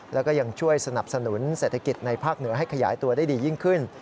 แล้วก็ยังช่วยสนับสนุนเศรษฐกิจในภาคเหนือให้ขยายตัวได้ดียิ่งขึ้น